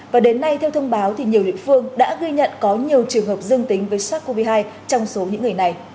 và đến nay theo thông báo thì nhiều địa phương đã ghi nhận có nhiều trường hợp dương tính với sars cov hai trong số những người này